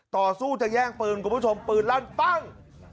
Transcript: ต่อสู้จะแย่งปืนคุณผู้ชมปืนลั่นปั้ง